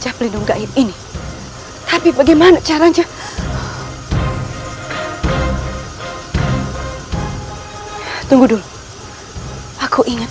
aku akan menggantikan hukuman ibu undang ketering mani